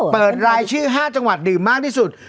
เปิดรายชื่อ๕จังหวัดดื่มมากที่สุด